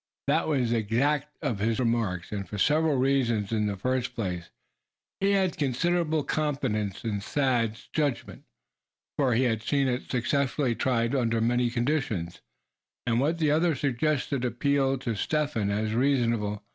That was the extent of his remarks, and for several reasons. In the first place he had considerable confidence in Thad's sagacity, for he had seen it successfully tried under many conditions; and what the other suggested appealed to Step Hen as reasonable.